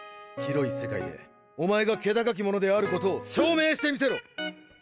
広い世界でお前が気高き者であることを証明してみせろ！